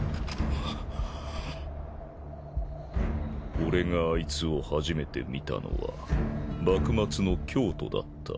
俺があいつを初めて見たのは幕末の京都だった。